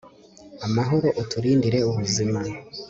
amahoro, uturindire ubuzima